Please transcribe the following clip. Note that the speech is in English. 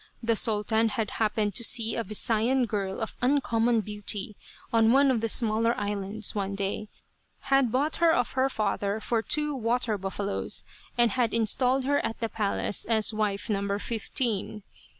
The Sultan had happened to see a Visayan girl of uncommon beauty, on one of the smaller islands, one day, had bought her of her father for two water buffalos, and had installed her at the palace as wife number fifteen.